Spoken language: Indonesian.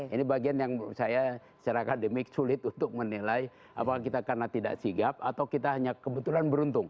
ini bagian yang menurut saya secara akademik sulit untuk menilai apakah kita karena tidak sigap atau kita hanya kebetulan beruntung